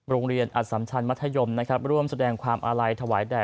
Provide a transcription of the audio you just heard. โรงเรียนอัศมชันมัธยมร่วมแสดงความอาลัยถวายแด่